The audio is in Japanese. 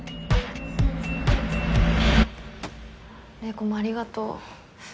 玲子もありがとう。